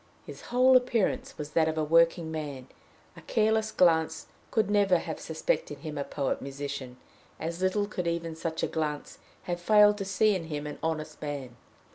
His whole appearance was that of a workman; a careless glance could never have suspected him a poet musician; as little could even such a glance have failed to see in him an honest man.